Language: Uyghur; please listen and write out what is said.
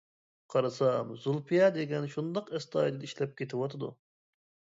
قارىسام زۇلپىيە دېگەن شۇنداق ئەستايىدىل ئىشلەپ كېتىۋاتىدۇ.